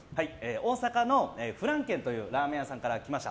大阪のフラン軒というラーメン屋さんから来ました。